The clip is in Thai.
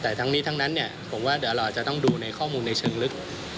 แต่ทั้งนี้ทั้งนั้นผมว่าเดี๋ยวเราอาจจะต้องดูในข้อมูลในเชิงลึก